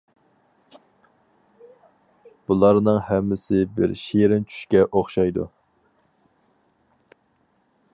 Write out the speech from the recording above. بۇلارنىڭ ھەممىسى بىر شېرىن چۈشكە ئوخشايدۇ!